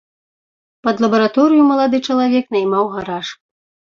Пад лабараторыю малады чалавек наймаў гараж.